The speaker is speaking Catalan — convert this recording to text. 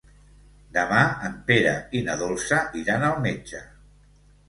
Demà en Pere i na Dolça iran al metge.